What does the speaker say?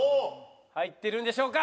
入ってるんでしょうか？